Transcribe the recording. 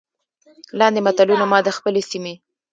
لاندې متلونه ما د خپلې سيمې